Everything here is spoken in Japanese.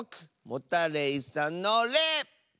モタレイさんの「レ」！